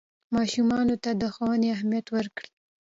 ماشومانو ته د ښوونې اهمیت ورکړئ.